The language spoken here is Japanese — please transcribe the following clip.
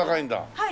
はい。